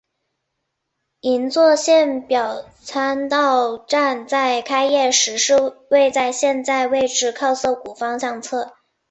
银座线表参道站在开业时是位在现在位置靠涩谷方向侧。